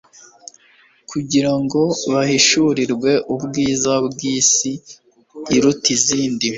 kugira ngo bahishurirwe ubwiza bw'isi iruta izindi.